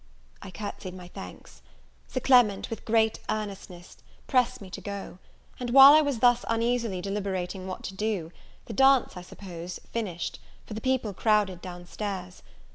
I courtsied my thanks. Sir Clement, with great earnestness, pressed me to go; and while I was thus uneasily deliberating what to do, the dance, I suppose, finished, for the people crowded down stairs.